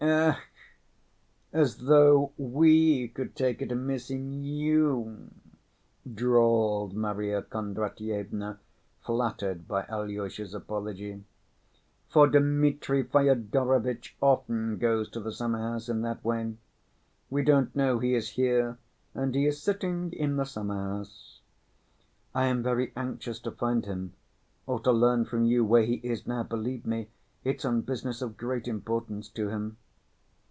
"Ach, as though we could take it amiss in you!" drawled Marya Kondratyevna, flattered by Alyosha's apology. "For Dmitri Fyodorovitch often goes to the summer‐house in that way. We don't know he is here and he is sitting in the summer‐house." "I am very anxious to find him, or to learn from you where he is now. Believe me, it's on business of great importance to him."